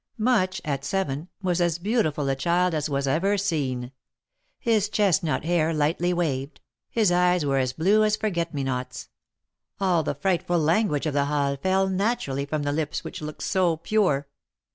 Much, at seven, was as beautiful a child as was ever seen. His chestnut hair lightly waved ; his eyes were as blue as Forget me nots. All the frightful language of the Halles fell naturally from the lips which looked so pure.